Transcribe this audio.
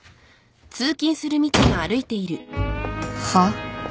はっ？